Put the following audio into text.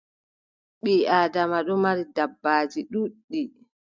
Ɓii Aadama ɗon mari dabbaaji ɗuuɗɗi.